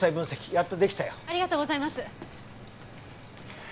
ありがとうございます。